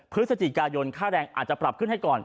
พฤศจิกายนค่าแรงอาจจะปรับขึ้นให้ก่อน